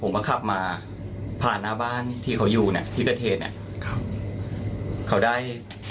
ก็ผมก็คับมาผ่านหน้าบ้านที่เขาอยู่ที่เกษตรเนี่ยเขาได้